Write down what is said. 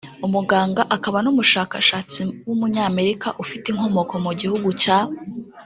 umuganga akaba n’umushakashatsi w’umunyamerika ufite inkomoko mu gihugu cya